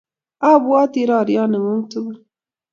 a bwati rariot ne ng'un tugul